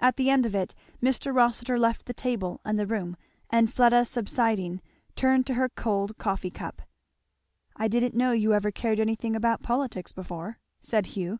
At the end of it Mr. Rossitur left the table and the room, and Fleda subsiding turned to her cold coffee cup. "I didn't know you ever cared anything about politics before," said Hugh.